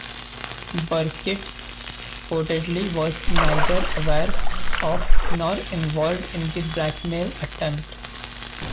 Birkitt reportedly was neither aware of nor involved in the blackmail attempt.